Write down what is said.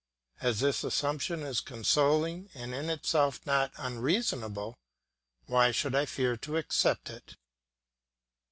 As this assumption is consoling and in itself not unreasonable, why should I fear to accept it?